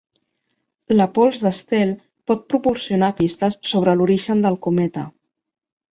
La pols d'estel pot proporcionar pistes sobre l'origen del cometa.